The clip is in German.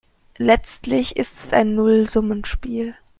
Letztlich ist es ein Nullsummenspiel.